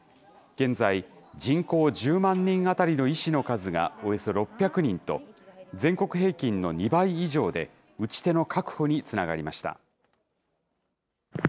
現在、人口１０万人当たりの医師の数がおよそ６００人と、全国平均の２倍以上で打ち手の確保につながりました。